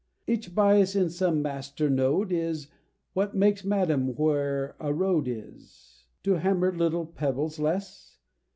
Each bias in some master node is: What takes M'Adam where a road is, To hammer little pebbles less?